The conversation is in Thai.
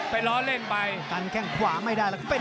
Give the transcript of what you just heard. ไปล้อเล่นไป